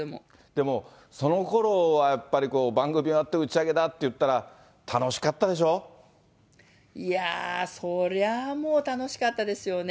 でも、そのころはやっぱり、こう、番組終わって打ち上げだっいやぁ、そりゃもう楽しかったですよね。